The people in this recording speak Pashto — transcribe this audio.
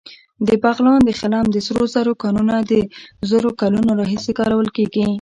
د بغلان د خلم د سرو زرو کانونه د زرو کلونو راهیسې کارول کېږي